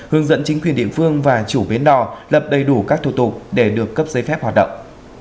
hướng dẫn chính quyền địa phương và chủ bến đò lập đầy đủ các thủ tục để được cấp giấy phép hoạt động